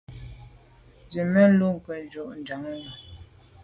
Zit mèn lo kô ne jun ju à.